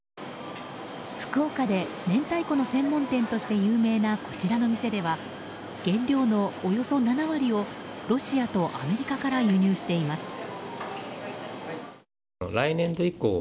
福岡で明太子の専門店として有名なこちらの店では原料のおよそ７割をロシアとアメリカから輸入しています。